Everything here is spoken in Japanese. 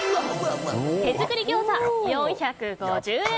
手作り餃子、４５０円。